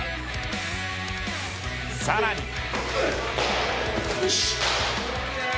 さらに。